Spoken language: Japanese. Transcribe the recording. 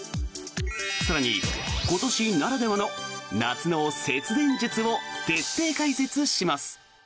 更に、今年ならではの夏の節電術を徹底解説します。